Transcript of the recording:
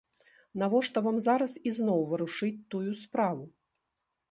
Навошта вам зараз ізноў варушыць тую справу?